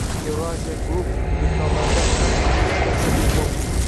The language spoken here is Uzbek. Eurasia Group do‘konlarida har ikkinchi narsa bepul!